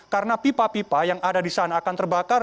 karena pipa pipa yang ada di sana akan terbakar